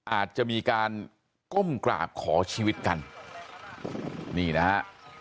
อาจจะมีการก้มกราบขอชีวิตกันนี่นะฮะ